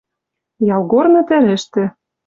Ялгорны тӹрӹштӹ